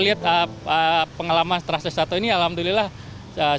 meskipun kami bisa memutuskan suatu nomor improvesal ketika grimting bali itu